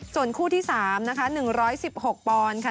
ส่วนคู่ที่๓นะคะ๑๑๖ปอนด์ค่ะ